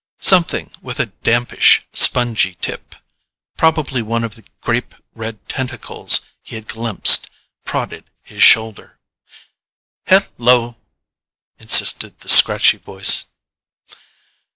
Something with a dampish, spongy tip, probably one of the grape red tentacles he had glimpsed, prodded his shoulder. "Hel lo!" insisted the scratchy voice.